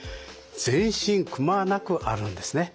全身くまなくあるんですね。